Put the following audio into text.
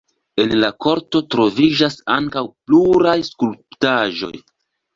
En la korto troviĝas ankaŭ pluraj skulptaĵoj.